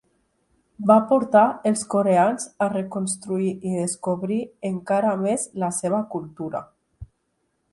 Va portar els coreans a reconstruir i descobrir encara més la seva cultura.